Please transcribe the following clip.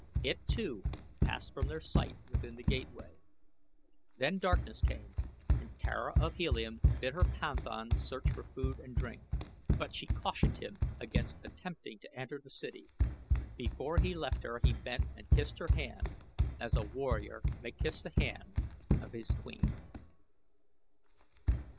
It, too, passed from their sight within the gateway. Then darkness came and Tara of Helium bid her panthan search for food and drink; but she cautioned him against attempting to enter the city. Before he left her he bent and kissed her hand as a warrior may kiss the hand of his queen.